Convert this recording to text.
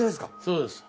そうです。